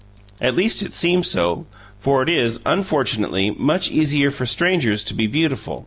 At least it seemed so, for it is, unfortunately, much easier for strangers to be beautiful.